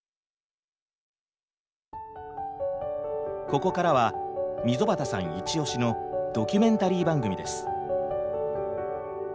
ここからは溝端さんイチオシのドキュメンタリー番組です。